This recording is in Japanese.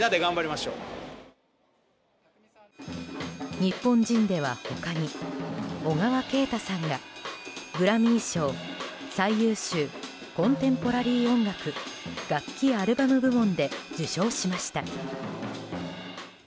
日本人では他に小川慶太さんがグラミー賞最優秀コンテンポラリー音楽楽器アルバム部門で受賞しました。